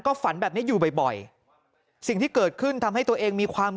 ฝันแบบนี้อยู่บ่อยสิ่งที่เกิดขึ้นทำให้ตัวเองมีความ